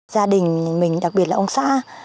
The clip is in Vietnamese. gia đình mình đặc biệt là ông xã